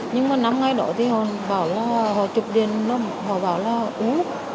nhưng mà năm ngày đó thì họ bảo là họ chụp điện họ bảo là ú